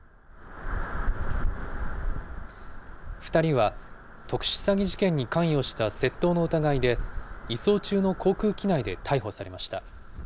２人は特殊詐欺事件に関与した窃盗の疑いで、移送中の航空機内で逮捕されました。